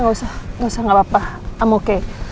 gak usah gak apa apa i'm okay